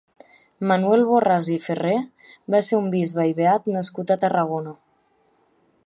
Manuel Borràs i Ferré va ser un bisbe i beat nascut a Tarragona.